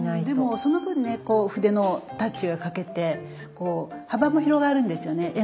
でもその分ね筆のタッチが描けてこう幅も広がるんですよね。